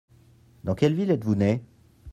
Dans quelle ville êtes-vous né ?